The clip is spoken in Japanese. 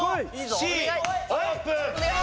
Ｃオープン。